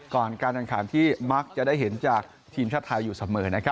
ก่อนการการขันที่มักจะได้เห็นจากทีมชาติไทยอยู่เสมอ